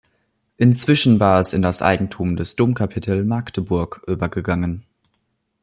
Inzwischen war es in das Eigentum des Domkapitel Magdeburg übergegangen.